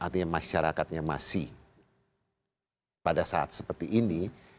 artinya masyarakatnya masih pada saat seperti ini